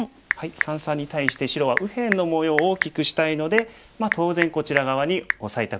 三々に対して白は右辺の模様を大きくしたいので当然こちら側にオサえたくなりますね。